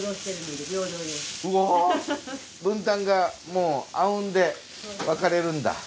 分担がもうあうんで分かれるんだ。